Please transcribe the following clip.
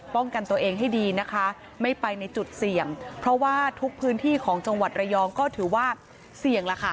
กันตัวเองให้ดีนะคะไม่ไปในจุดเสี่ยงเพราะว่าทุกพื้นที่ของจังหวัดระยองก็ถือว่าเสี่ยงแล้วค่ะ